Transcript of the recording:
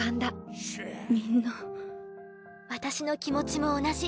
私の気持ちも同じ。